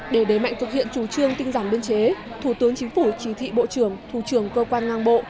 để đẩy mạnh thực hiện chủ trương tinh giảm biên chế thủ tướng chính phủ chỉ thị bộ trưởng thủ trưởng cơ quan ngang bộ